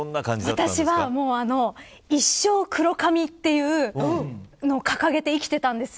私は、一生黒髪っていうのを掲げて生きてたんですよ。